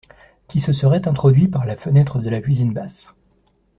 Qui se seraient introduits par la fenêtre de la cuisine basse.